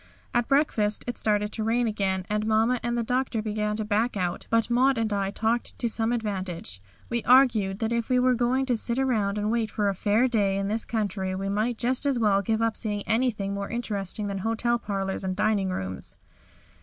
At breakfast it started to rain again and Mamma and the Doctor began to back out, but Maud and I talked to some advantage. We argued that if we were going to sit around waiting for a fair day in this country we might just as well give up seeing anything more interesting than hotel parlours and dining rooms.